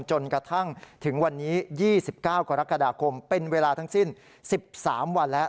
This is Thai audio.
จนกระทั่งถึงวันนี้๒๙กรกฎาคมเป็นเวลาทั้งสิ้น๑๓วันแล้ว